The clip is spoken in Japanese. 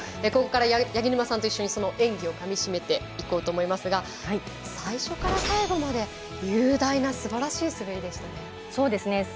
ここから八木沼さんと一緒にその演技をかみしめていこうと思いますが最初から最後まで雄大なすばらしい滑りでしたよね。